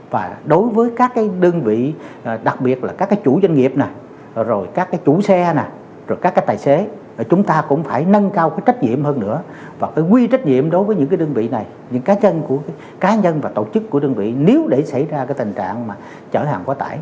và đối với các cái đơn vị đặc biệt là các cái chủ doanh nghiệp rồi các cái chủ xe rồi các cái tài xế chúng ta cũng phải nâng cao cái trách nhiệm hơn nữa và quy trách nhiệm đối với những cái đơn vị này những cá nhân và tổ chức của đơn vị nếu để xảy ra cái tình trạng mà chở hàng quá tải